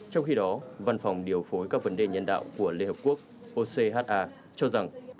trong khi đó văn phòng điều phối các vấn đề nhân đạo của liên hợp quốc ocha cho rằng